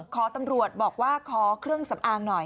ขอตำรวจบอกว่าขอเครื่องสำอางหน่อย